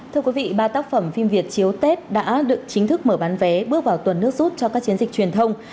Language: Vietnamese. thưa quý vị ba tác phẩm phim việt chiếu tết đã được chính thức mở bán vé bước vào tuần nước rút cho các chiến dịch truyền thông